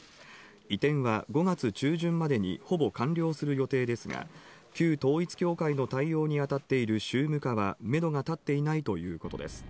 移転は５月中旬までに、ほぼ完了する予定ですが、旧ー統一教会の対応にあたっている宗務課は、めどが立っていないということです。